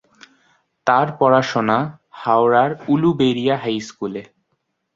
তার পড়াশোনা হাওড়ার উলুবেড়িয়া হাই স্কুলে।